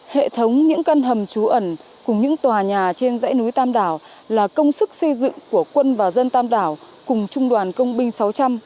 hệ thống những căn hầm trú ẩn cùng những tòa nhà trên dãy núi tam đảo là công sức xây dựng của quân và dân tam đảo cùng trung đoàn công binh sáu trăm linh